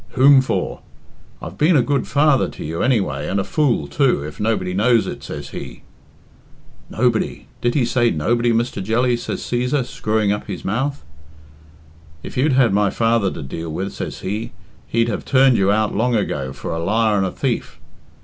Whom for? I've been a good father to you, anyway, and a fool, too, if nobody knows it!' says he." "Nobody! Did he say nobody, Mr. Jelly?" said Cæsar, screwing up his mouth. "'If you'd had my father to deal with,' says he, 'he'd have turned you out long ago for a liar and a thief.'